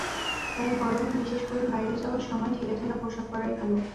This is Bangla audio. তাই গরমে, বিশেষ করে বাইরে যাওয়ার সময় ঢিলেঢালা পোশাক পরাই ভালো।